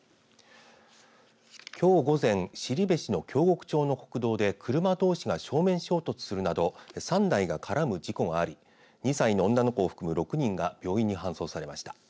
きょう午前後志の京極町の国道で車どうしが正面衝突するなど３台が絡む事故があり２歳の女の子を含む６人が病院に搬送されました。